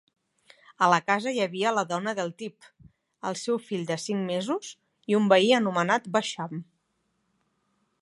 A la casa hi havia la dona del Tibb, el seu fill de cinc mesos i un veí anomenat Basham.